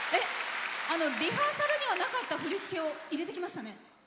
リハーサルにはなかった振り付けを入れてきましたね。